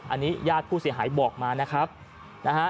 อันนี้ญาติผู้เสียหายบอกมานะครับนะฮะ